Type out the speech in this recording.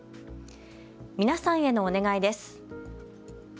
皆さんへのお願いです。